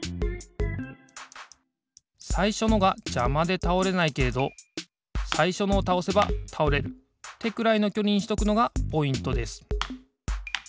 さいしょのがじゃまでたおれないけれどさいしょのをたおせばたおれるってくらいのきょりにしとくのがポイントです。